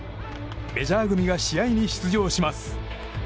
メジャー組が試合に出場します。